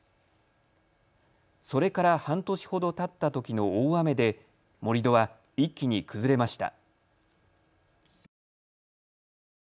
それから半年ほどたったときの大雨で盛り土は一気に崩れました。